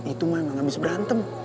itu mana abis berantem